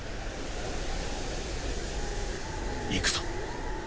行くぞ！